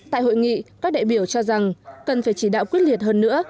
tại hội nghị các đại biểu cho rằng cần phải chỉ đạo quyết liệt hơn nữa